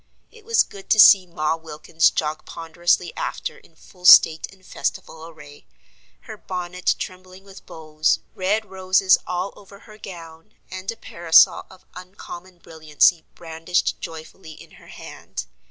It was good to see Ma Wilkins jog ponderously after in full state and festival array; her bonnet trembling with bows, red roses all over her gown, and a parasol of uncommon brilliancy brandished joyfully in her hand.